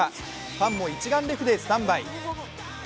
ファンも一眼レフでスタンバイ。